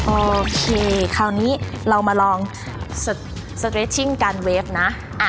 โอเคคราวนี้เรามาลองสเตรชชิงการเวฟนะ